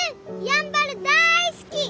やんばる大好き！